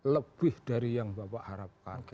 lebih dari yang bapak harapkan